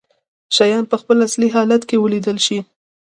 شيان په خپل اصلي حالت کې ولیدلی شي.